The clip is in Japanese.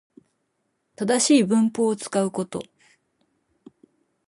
正しい文法を使うこと